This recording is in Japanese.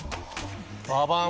ババン！